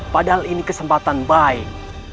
padahal ini kesempatan baik